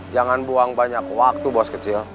jangan buang banyak waktu bos kecil